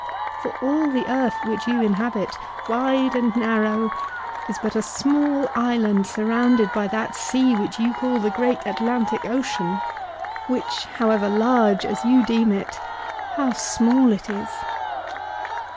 For all the earth which you inhabit, wide and narrow, is but a small island surrounded by that sea which you call the great Atlantic Ocean, which however large as you deem it, how small it is